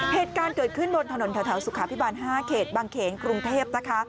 เหตุการณ์เกิดขึ้นบนถนนแถวสุขาพิบาล๕เขตบางเขนกรุงเทพนะคะ